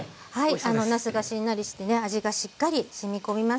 なすがしんなりしてね味がしっかりしみ込みました。